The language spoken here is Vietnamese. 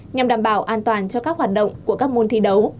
nhằm đảm bảo an toàn cho các hoạt động của các môn thi đấu